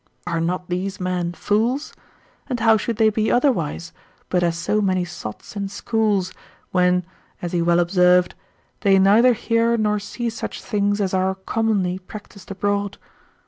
Are not these men fools? and how should they be otherwise, but as so many sots in schools, when (as he well observed) they neither hear nor see such things as are commonly practised abroad?